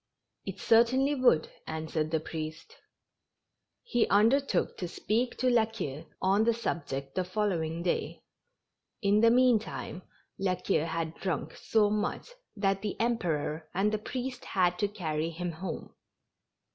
"It certainly would," answered the priest. And he undertook to speak to La Queue on the sub ject the following day. In the meantime. La Queue had drunk so much that the Emperor and the priest had to carry him home.